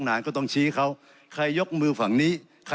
ไม่ต้องประธุรงค์